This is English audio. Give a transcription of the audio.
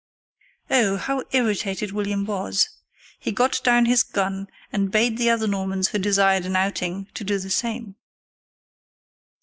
Oh, how irritated William was! He got down his gun, and bade the other Normans who desired an outing to do the same.